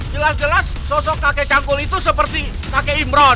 jelas jelas sosok kakek canggul itu seperti kakek imran